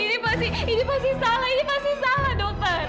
ini pasti ini pasti salah ini pasti salah dokter